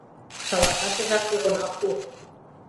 Шалаташыжак огына пу.